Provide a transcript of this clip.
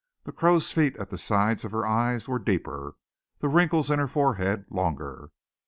The crow's feet at the sides of her eyes were deeper, the wrinkles in her forehead longer.